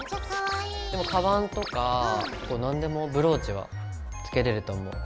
でもかばんとか何でもブローチはつけれると思う。